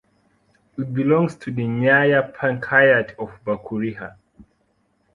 It belongs to the nyaya panchayat of Bakuliha.